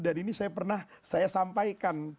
dan ini saya pernah saya sampaikan